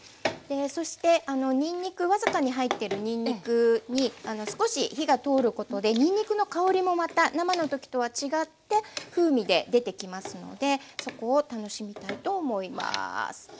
そして僅かに入ってるにんにくに少し火が通ることでにんにくの香りもまた生の時とは違った風味で出てきますのでそこを楽しみたいと思います。